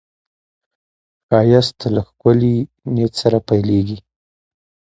ښایست له ښکلي نیت سره پیلېږي